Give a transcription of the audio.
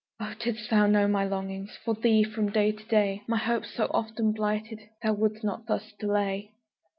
Oh, didst thou know my longings For thee, from day to day, My hopes, so often blighted, Thou wouldst not thus delay!